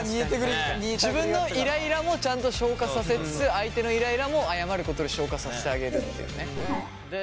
自分のイライラもちゃんと消化させつつ相手のイライラも謝ることで消化させてあげるっていうね。